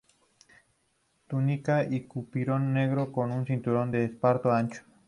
Túnica y capirote negro, con un cinturón de esparto ancho.